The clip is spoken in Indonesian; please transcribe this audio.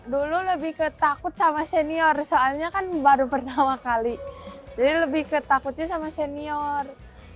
dulu lebih ketakut sama senior soalnya kan baru pertama kali jadi lebih ketakutnya sama senior